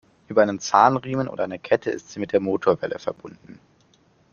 Über einen Zahnriemen oder eine Kette ist sie mit der Motorwelle verbunden.